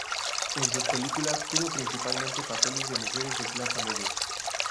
En sus películas tuvo principalmente papeles de mujeres de clase media.